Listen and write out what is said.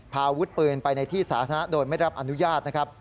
อาวุธปืนไปในที่สาธารณะโดยไม่รับอนุญาตนะครับ